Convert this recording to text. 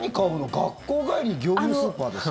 学校帰りに業務スーパーでさ。